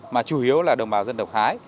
mà chủ yếu là đồng bào dân độc khái